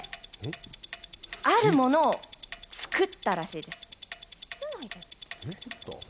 あるものを作ったらしいです。